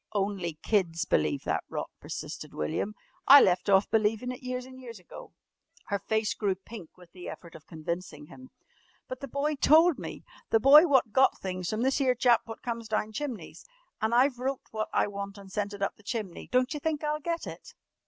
"Only kids believe that rot," persisted William. "I left off believin' it years and years ago!" Her face grew pink with the effort of convincing him. "But the boy told me, the boy wot got things from this 'ere chap wot comes down chimneys. An' I've wrote wot I want an' sent it up the chimney. Don't you think I'll get it?"